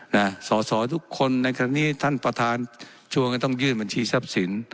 นะสอสอทุกคนในครั้งนี้ท่านประธานชวนก็ต้องยื่นบัญชีทรัพย์สิน